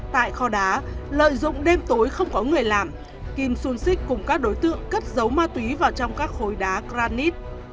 tại kho đá lợi dụng đêm tối không có người làm kim xuân xích cùng các đối tượng cất dấu ma túy vào trong các khối đá granite